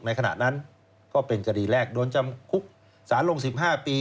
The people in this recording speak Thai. ขณะนั้นก็เป็นคดีแรกโดนจำคุกสารลง๑๕ปี